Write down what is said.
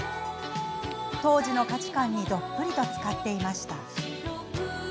当時の価値観にどっぷりつかっていました。